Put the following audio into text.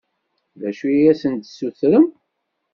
D acu i asen-d-tessutrem?